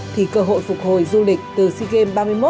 thì cơ hội phục hồi du lịch từ sea games ba mươi một vẫn còn hiện hữu